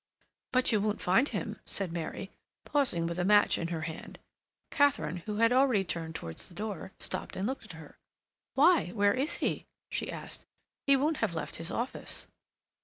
"But you won't find him," said Mary, pausing with a match in her hand. Katharine, who had already turned towards the door, stopped and looked at her. "Why? Where is he?" she asked. "He won't have left his office."